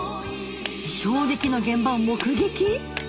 衝撃の現場を目撃